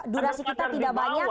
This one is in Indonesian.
durasi kita tidak banyak